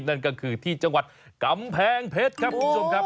นั่นก็คือที่จังหวัดกำแพงเพชรครับคุณผู้ชมครับ